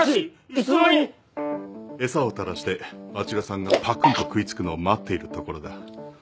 餌を垂らしてあちらさんがパクンと食い付くのを待っているところだ。